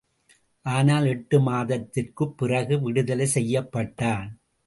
ஆனால் எட்டு மாதத்திற்குப்பிறகு விடுதலை செய்யப்பட்டான்.